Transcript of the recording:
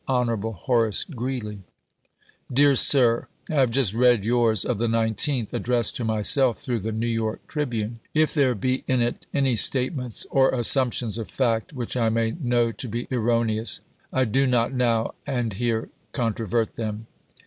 Hon. Horace Greeley, Dear Sir: I have just read yours of the 19tli, ad dressed to myself through the " New York Tribune." If there be in it any statements, or assumptions of fact, which I may know to be erroneous, I do not, now and here, controvert them.